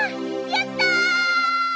やった！